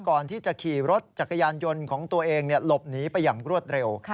ก่อนที่จะขี่รถจักรยานยนต์ของตัวเองหลบหนีไปอย่างรวดเร็ว